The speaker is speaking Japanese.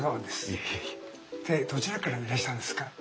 どちらからいらしたんですか？